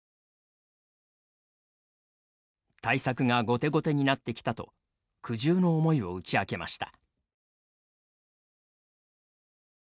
対策が後手後手になってきたと苦渋の思いを打ち明けました。